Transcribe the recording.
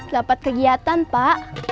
rapat kegiatan pak